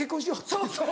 そうそう。